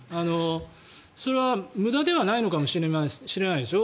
それは無駄ではないのかもしれないですよ。